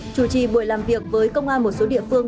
chủ trì buổi làm việc với công an một số địa phương